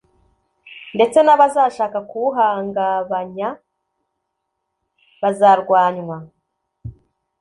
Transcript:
ndetse n’abazashaka kuwuhangabanya bazarwanywa